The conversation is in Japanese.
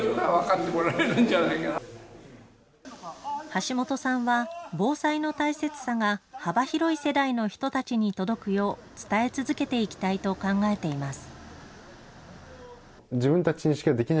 橋本さんは、防災の大切さが幅広い世代の人たちに届くよう、伝え続けていきたいと考えています。